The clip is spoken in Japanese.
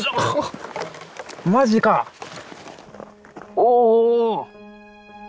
おお。